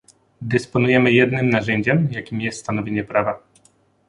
Dysponujemy jednym narzędziem, jakim jest stanowienie prawa